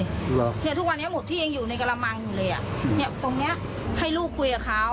เหรอเนี่ยทุกวันนี้หมดที่ยังอยู่ในกระมังอยู่เลยอ่ะเนี้ยตรงเนี้ยให้ลูกคุยกับเขา